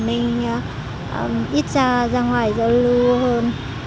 nên ít ra ngoài giáo lưu hơn